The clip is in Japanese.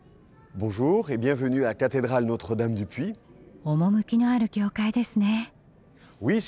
趣のある教会ですね。